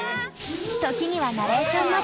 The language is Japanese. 時にはナレーションまで。